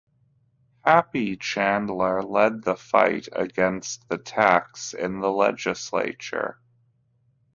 "Happy" Chandler, led the fight against the tax in the legislature.